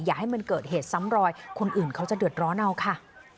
อย่าให้มันเกิดเหตุซ้ำรอยคนอื่นเขาจะเดือดร้อนเอาค่ะ